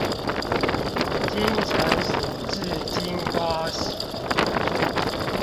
精誠所至金瓜石